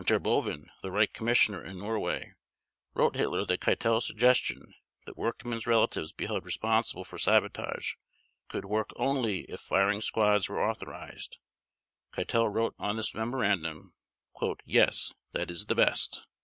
When Terboven, the Reich Commissioner in Norway, wrote Hitler that Keitel's suggestion that workmen's relatives be held responsible for sabotage, could work only if firing squads were authorized, Keitel wrote on this memorandum: "Yes, that is the best."